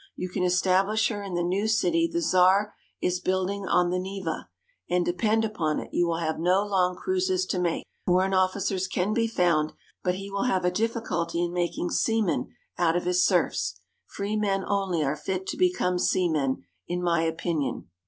"You can establish her in the new city the Czar is building on the Neva; and, depend upon it, you will have no long cruises to make. Foreign officers can be found; but he will have a difficulty in making seamen out of his serfs. Free men only are fit to become seamen, in my opinion."